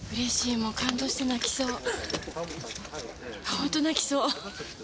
本当、泣きそう。